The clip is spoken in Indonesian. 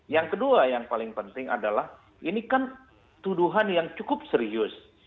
yang kedua yang paling penting adalah ini kan tuduhan yang cukup serius